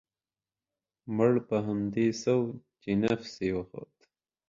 مړ په همدې سو چې نفس يې و خوت.